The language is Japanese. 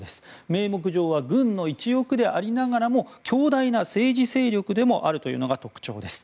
名目上は軍の一翼でありながらも強大な政治勢力でもあるというのが特徴です。